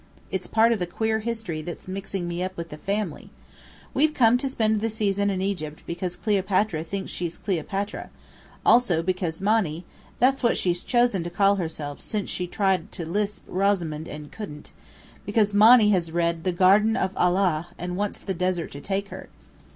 It's part of the queer history that's mixing me up with the family. We've come to spend the season in Egypt because Cleopatra thinks she's Cleopatra; also because Monny (that's what she's chosen to call herself since she tried to lisp 'Resamond' and couldn't) because Monny has read 'The Garden of Allah,' and wants the 'desert to take her.'